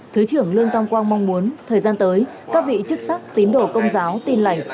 thứ trưởng lương tam quang mong muốn thời gian tới các vị chức sắc tín đồ công giáo tin lành